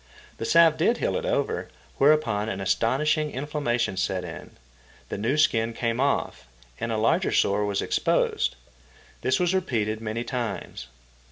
The salve did heal it over, whereupon an astonishing inflammation set in, the new skin came off, and a larger sore was exposed. This was repeated many times.